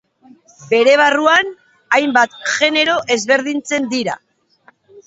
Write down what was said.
Bere barruan hainbat genero ezberdintzen dira.